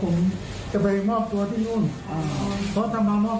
ก็ให้การแม่งอันนี้ก็เขาจะทำว่าว่า